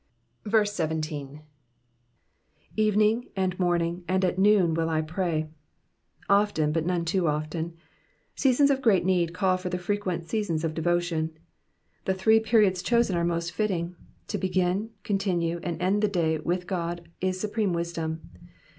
17. ^^ Evening, and morning, and at noon, will I pray,'''* Often but none too often. Seasons of great need call for frequent seasons of devotion. The three periods chosen are most fitting ; to begin, continue, and end the day with God IS supreme wisdom.